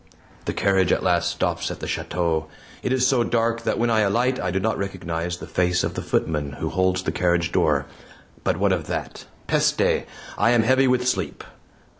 The carriage at last stops at the chateau. It is so dark that when I alight I do not recognize the face of the footman who holds the carriage door. But what of that? PESTE! I am heavy with sleep.